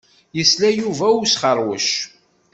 Yesla Yuba i usxeṛwec.